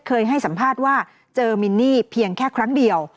เคยให้สัมภาษณ์ว่าเจอมินนี่เพียงแค่ครั้งเดียว